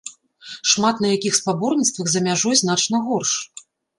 Шмат на якіх спаборніцтвах за мяжой значна горш.